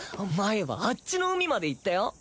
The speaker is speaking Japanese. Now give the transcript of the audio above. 前はあっちの海まで行ったよ。